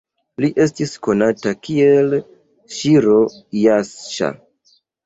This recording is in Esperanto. Li esti konata kiel Ŝiro-Jaŝa.